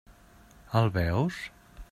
El veus?